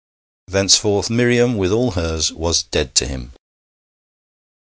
Thenceforth Miriam, with all hers, was dead to him.